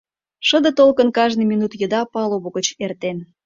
Шыде толкын кажне минут еда палубо гоч эртен.